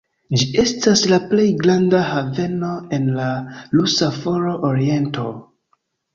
Ĝi estas la plej granda haveno en la rusa Fora Oriento.